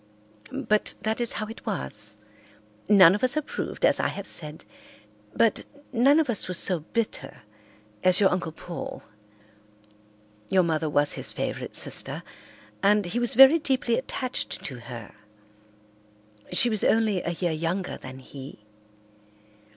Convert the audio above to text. But that is how it was. None of us approved, as I have said, but none of us was so bitter as your Uncle Paul. Your mother was his favourite sister, and he was very deeply attached to her. She was only a year younger than he.